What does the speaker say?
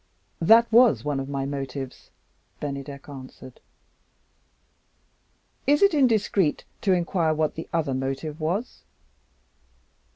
"That was one of my motives," Bennydeck answered. "Is it indiscreet to inquire what the other motive was?"